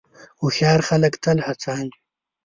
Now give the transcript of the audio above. هوښیار خلک تل هڅاند وي.